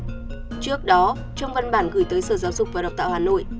trước đó trong văn bản gửi tới sở giáo dục và đào tạo hà nội